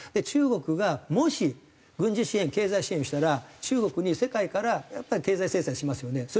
中国がもし軍事支援経済支援をしたら中国に世界からやっぱり経済制裁をしますよね。